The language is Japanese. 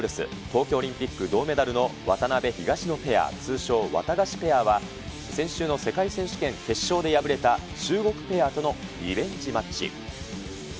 東京オリンピック銅メダルの渡辺・東野ペア、通称、ワタガシペアは、先週の世界選手権決勝で敗れた中国ペアとのリベンジマッチ。